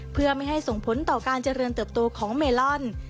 เพื่อไม่ให้ส่งผลต่อการเจริญเติบโตของเมลอน